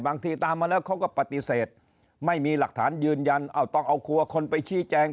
บางทีตามมาแล้วเขาก็ปฏิเสธไม่มีหลักฐานยืนยันต้องเอาครัวคนไปชี้แจง